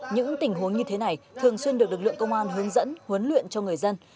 những tình huống như thế này thường xuyên được lực lượng công an hướng dẫn huấn luyện cho người dân